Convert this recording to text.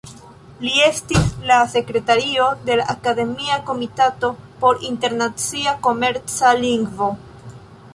Li estis la sekretario de la Akademia Komitato por Internacia Komerca Lingvo.